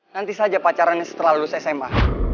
nanti saja pacarannya setelah lulus sma